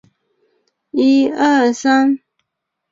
朱佑棨于弘治十八年袭封淮王。